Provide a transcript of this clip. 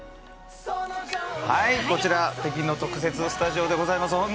こちら特設スタジオでございます。